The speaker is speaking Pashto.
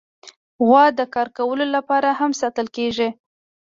غوا د کار کولو لپاره هم ساتل کېږي.